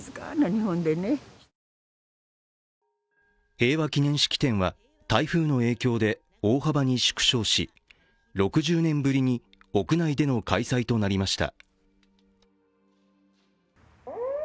平和祈念式典は台風の影響で大幅に縮小し６０年ぶりに屋内での開催となりました。